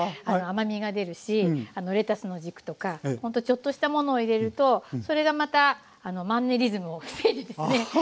甘みが出るしレタスの軸とかほんとちょっとしたものを入れるとそれがまたマンネリズムを防いでですね